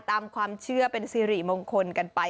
ตามความเชื่อเป็นสิริมงคลกันไป